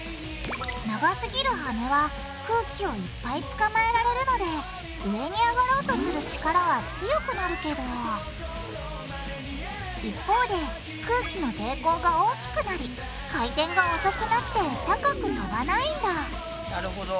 長すぎる羽は空気をいっぱいつかまえられるので上に上がろうとする力は強くなるけど一方で空気の抵抗が大きくなり回転が遅くなって高く飛ばないんだなるほど。